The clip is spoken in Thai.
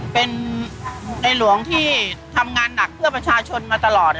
เป็นในหลวงที่ทำงานหนักเพื่อประชาชนมาตลอด